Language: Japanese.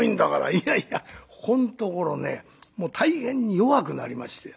「いやいやここんところねもう大変に弱くなりまして。